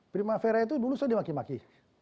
primavera itu dulu saya dimaki maki